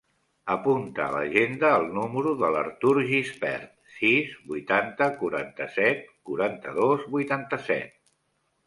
Apunta a l'agenda el número de l'Artur Gispert: sis, vuitanta, quaranta-set, quaranta-dos, vuitanta-set.